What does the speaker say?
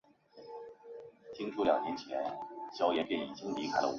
钱学森传记作者张纯如对这一指控予以了驳斥。